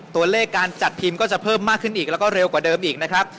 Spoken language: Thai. ตัวเลขการจัดทีมก็จะเพิ่มมากขึ้นอีกแล้วก็เร็วกว่าเดิมอีกนะครับ